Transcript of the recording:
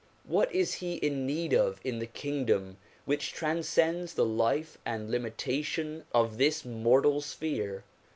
What is he in need of in the kingdom which transcends the life and limitation of this mortal sphere?